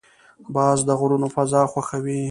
باز د غرونو فضا خوښوي